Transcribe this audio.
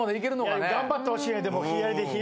頑張ってほしいねでも。